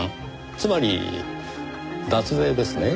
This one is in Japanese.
つまり脱税ですね。